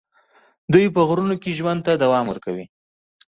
دوی په غرونو کې ژوند ته دوام ورکوي.